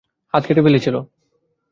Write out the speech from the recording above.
হাত কেটে ফেলেছিল।